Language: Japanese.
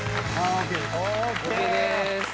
ＯＫでーす。